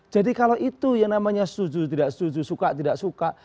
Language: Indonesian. jadi kalau itu yang namanya setuju tidak setuju suka tidak suka